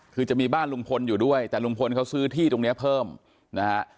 คือจะมีบ้านลุงพลอยู่ด้วยแต่ลุงพลเขาซื้อที่ตรงนี้เพิ่มนะฮะ